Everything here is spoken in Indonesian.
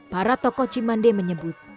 para tokoh cimande menyebut